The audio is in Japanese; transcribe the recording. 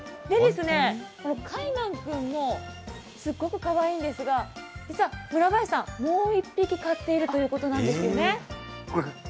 カイマン君もすっごくかわいいんですが、実は村林さん、もう１匹飼っているということなんですよね。